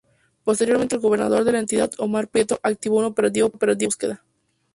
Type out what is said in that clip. Posteriormente el gobernador de la entidad Omar Prieto, activó un operativo para su búsqueda.